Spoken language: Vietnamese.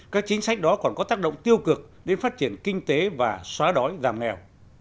các chính sách đó còn có tác động tiêu cực đến phát triển kinh tế và xóa đói giảm nghèo